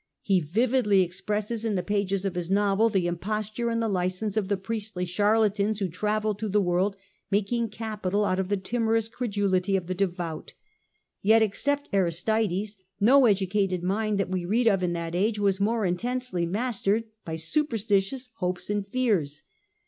He vividly expresses in the pages of his novel the imposture and the licence of the priestly charlatans who travelled through the world making capital out of the timorous credulity of the devout Yet except Aristides no educated mind that we read of in that age was more intensely mastered by superstitious hopes and fears.